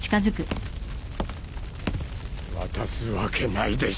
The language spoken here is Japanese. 渡すわけないでしょ。